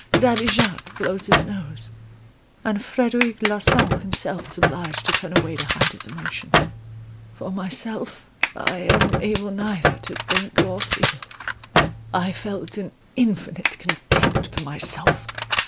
Daddy Jacques blows his nose, and Frederic Larsan himself is obliged to turn away to hide his emotion. For myself, I am able neither to think or feel. I felt an infinite contempt for myself.